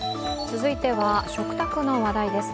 続いては、食卓の話題です。